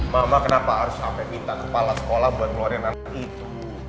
mama kenapa harus sampai minta kepala sekolah buat ngeluarin anak itu